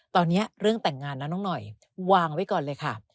ตอนนี้เรื่องแต่งงานนะน้องหน่อยวางไว้ก่อนเลยค่ะ